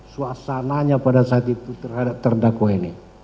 suasananya pada saat itu terhadap terdakwa ini